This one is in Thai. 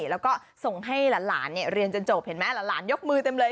แล้วก็ส่งให้หลานเรียนจนจบเห็นไหมหลานยกมือเต็มเลย